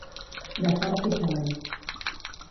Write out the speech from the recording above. De fort i ferm.